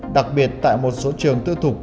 đặc biệt tại một số trường tư thuật